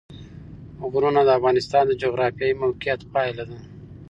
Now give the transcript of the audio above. غرونه د افغانستان د جغرافیایي موقیعت پایله ده.